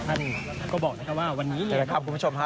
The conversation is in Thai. ท่านก็บอกนะครับว่าวันนี้นะครับคุณผู้ชมฮะ